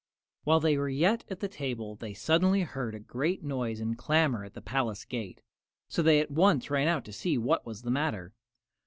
While they were yet at the table they suddenly heard a great noise and clamor at the palace gate, so they at once ran out to see what was the matter.